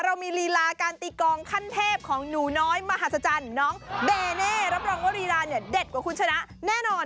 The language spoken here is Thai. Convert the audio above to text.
เรามีลีลาการตีกองขั้นเทพของหนูน้อยมหาศจรรย์น้องเดเน่รับรองว่ารีลาเนี่ยเด็ดกว่าคุณชนะแน่นอน